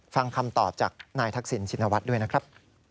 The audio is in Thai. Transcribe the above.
ฟังคำตอบจากนายทักษิณชินวัฒน์ด้วยนะครับ